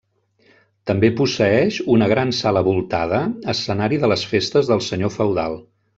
També posseeix una gran sala voltada, escenari de les festes del senyor feudal.